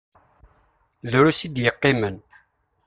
Drus i d-yeqqimen.